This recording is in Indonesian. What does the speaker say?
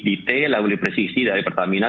detail dan lebih presisi dari pertamina